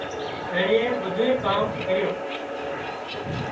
اينڻي ٻڌُونئي ڪام ڪريُون